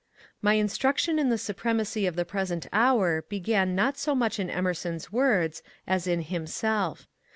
My instruction in the supremacy of the present hour began not so much in Emerson's words as in himself.